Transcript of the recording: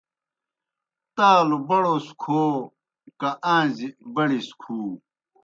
تالوْ بڑوس کھو کہ آݩزی بڑیْ سہ کُھو